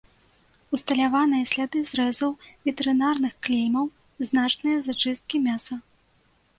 Усталяваныя сляды зрэзаў ветэрынарных клеймаў, значныя зачысткі мяса.